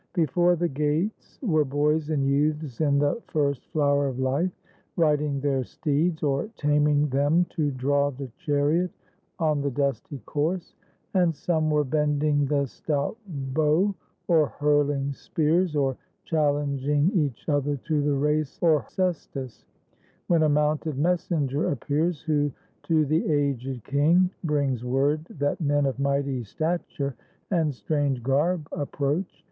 Before the gates Were boys and youths in the first flower of life. Riding their steeds, or taming them to draw The chariot on the dusty course; and some 247 ROME Were bending the stout bow, or hurling spears, Or challenging each other to the race Or cestus: when a mounted messenger Appears, who to the aged king brings word That men of mighty stature and strange garb Approach.